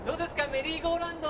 メリーゴーラウンド！